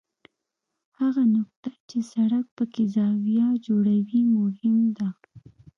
هغه نقطه چې سړک پکې زاویه جوړوي مهم ده